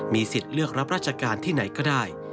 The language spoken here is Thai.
สิทธิ์เลือกรับราชการที่ไหนก็ได้